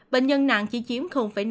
bệnh nhân nặng chỉ chiếm năm